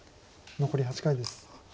残り８回です。